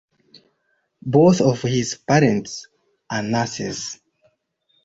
Both of his parents are nurses.